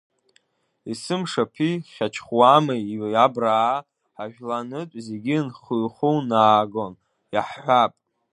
Есымшаԥи хьачхуамеи иабраа ҳажәланытә зегьы иху наагон, иаҳҳәап…